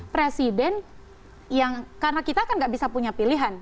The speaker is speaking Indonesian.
presiden yang karena kita kan nggak bisa punya pilihan